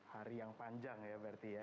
hari yang panjang ya berarti ya